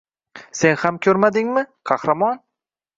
Sen ham ko‘rmadingmi, Qahramon?